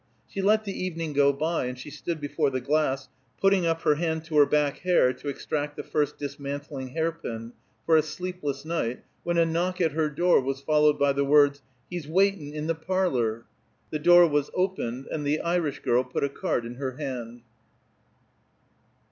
She let the evening go by, and she stood before the glass, putting up her hand to her back hair to extract the first dismantling hairpin, for a sleepless night, when a knock at her door was followed by the words, "He's waitun' in the parlor." The door was opened and the Irish girl put a card in her hand.